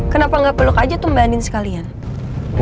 kenapa gak peluk aja tuh mbak andi sekalian